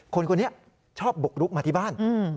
คนคนนี้ชอบบุกรุกมาที่บ้าน